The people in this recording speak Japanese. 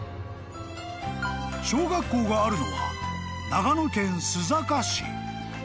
［小学校があるのは長野県］